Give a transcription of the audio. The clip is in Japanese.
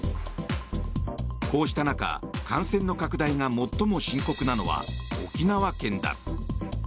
こうした中、感染の拡大が最も深刻なのは沖縄県だ。